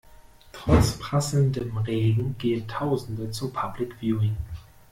Trotz prasselndem Regen gehen tausende zum Public Viewing.